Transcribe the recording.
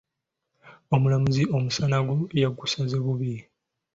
Omulamuzi omusanago yagusaze bubi.